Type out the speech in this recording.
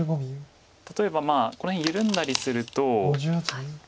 例えばこの辺緩んだりすると。